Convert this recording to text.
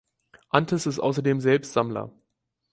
Antes ist außerdem selbst Sammler.